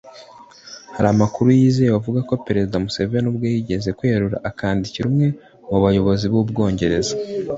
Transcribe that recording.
Hari amakuru yizewe avuga ko Perezida Museveni ubwe yigeze kwerura akandikira umwe mu bayobozi b’Ubwongereza